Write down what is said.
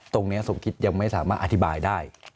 ตรงนี้สมคิดยังไม่สามารถอธิบายได้